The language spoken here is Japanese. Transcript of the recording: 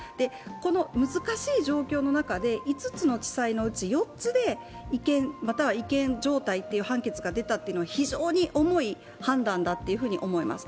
この難しい状況の中で、５つの地裁のうち４つで違憲、または違憲状態という判決が出たというのは非常に重い判断だったと思います。